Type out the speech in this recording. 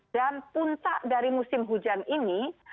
dan puncak dari musim hujan ini